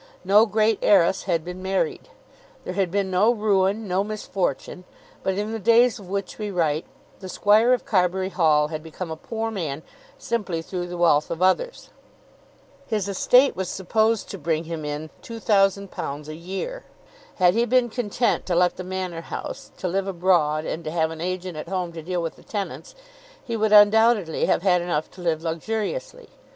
No great heiress had been married. There had been no ruin, no misfortune. But in the days of which we write the Squire of Carbury Hall had become a poor man simply through the wealth of others. His estate was supposed to bring him in £2,000 a year. Had he been content to let the Manor House, to live abroad, and to have an agent at home to deal with the tenants, he would undoubtedly have had enough to live luxuriously.